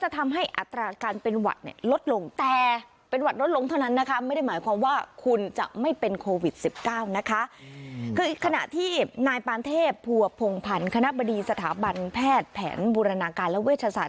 คือขณะที่นายปานเทพภัวพงพันธ์คณะบดีสถาบันแพทย์แผนบูรณาการและเวชศาส